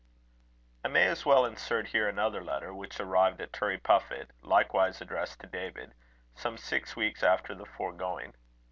I may as well insert here another letter, which arrived at Turriepuffit, likewise addressed to David, some six weeks after the foregoing.